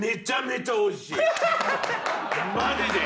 マジで。